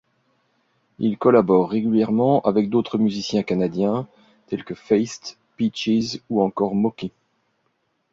Il collabore régulièrement avec d’autres musiciens canadiens, tels que Feist, Peaches ou encore Mocky.